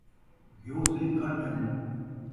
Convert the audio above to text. گھیو سے گھٹ ہن